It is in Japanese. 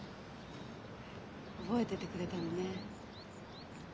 覚えててくれたのね。